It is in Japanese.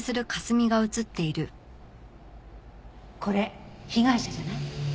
これ被害者じゃない？